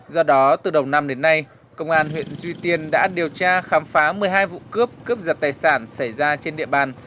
do đó từ đầu năm đến nay công an huyện duy tiên đã điều tra khám phá một mươi hai vụ cướp cướp giật tài sản xảy ra trên địa bàn